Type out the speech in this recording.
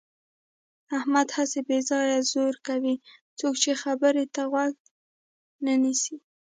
احمد هسې بې ځایه زور کوي. څوک یې خبرې ته غوږ نه نیسي.